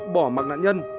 bỏ mặt nạn nhân